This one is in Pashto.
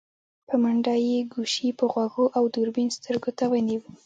په منډه يې ګوشي په غوږو او دوربين سترګو ته ونيو.